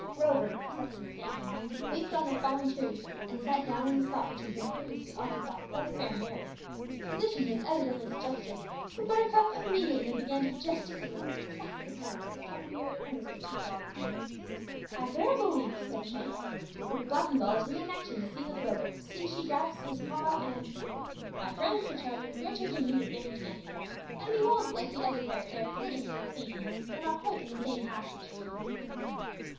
Rover for such was his name leaped on the fallen tree and sat down on the spot which had previously been occupied by the fair Mary. The position was evidently suggestive, for Buttercup immediately began to gesticulate and clasp her hands as if talking very earnestly to the dog. "I verily believe," said Shank, "that the blacking ball is re enacting the scene with Rover! See! she grasps his paw, and " "My friend," said Charlie, "we are taking mean advantage again! And, behold! like the other pair, they are flitting from the scene, though not quite in the same fashion."